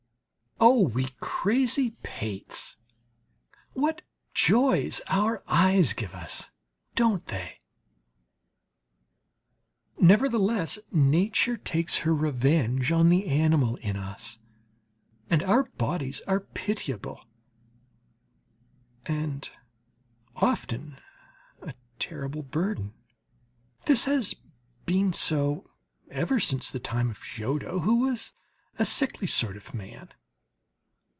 Oh we crazy pates! What joys our eyes give us don't they? Nevertheless nature takes her revenge on the animal in us, and our bodies are pitiable, and often a terrible burden. This has been so ever since the time of Giotto, who was a sickly sort of man.